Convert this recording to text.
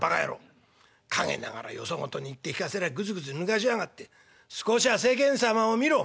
陰ながらよそ事に言って聞かせりゃグズグズ抜かしやがって少しは世間様を見ろ。